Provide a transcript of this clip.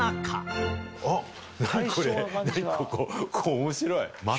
ここ面白い。